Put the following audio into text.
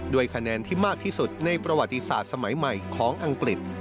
คะแนนที่มากที่สุดในประวัติศาสตร์สมัยใหม่ของอังกฤษ